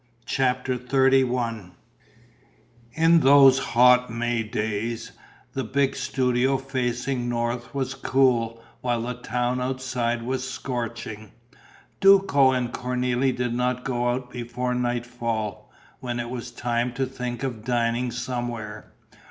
CHAPTER XXXI In those hot May days, the big studio facing north was cool while the town outside was scorching. Duco and Cornélie did not go out before nightfall, when it was time to think of dining somewhere.